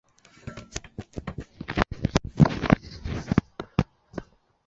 穆阿库尔。